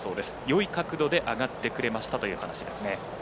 よい角度で上がってくれましたという話ですね。